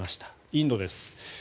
インドです。